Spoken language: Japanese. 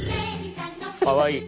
かわいい。